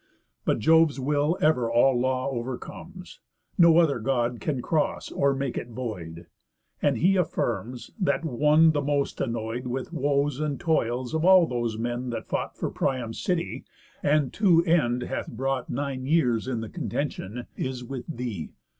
But Jove's will ever all law overcomes, No other God can cross or make it void; And he affirms, that one the most annoy'd With woes and toils of all those men that fought For Priam's city, and to end hath brought Nine years in the contention, is with thee.